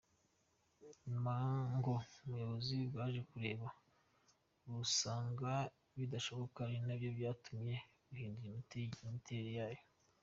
Nyuma ngo ubuyobozi bwaje kureba busanga bidashoboka ari na byo byatumye buhindura imiterere yayo.